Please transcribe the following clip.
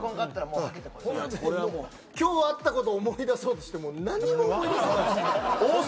今日あったことを思い出そうとしても何も思い出せないですよ。